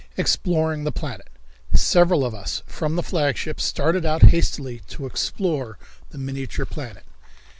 Exploring the Planet. Several of us from the flagship started out hastily to explore the miniature planet.